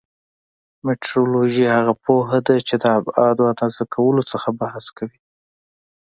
مټرولوژي هغه پوهه ده چې د ابعادو اندازه کولو څخه بحث کوي.